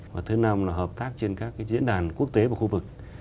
và thứ năm là hợp tác trên các diễn đàn quốc tế và khu vực